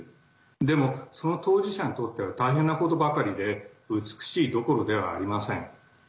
でも、その当事者にとっては大変なことばかりで美しいどころではありません。